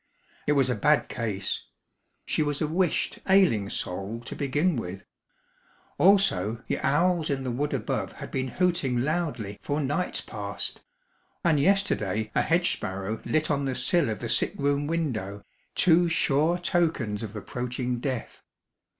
It was a bad case. She was a wisht, ailing soul to begin with. Also the owls in the wood above had been hooting loudly, for nights past: and yesterday a hedge sparrow lit on the sill of the sick room window, two sure tokens of approaching death.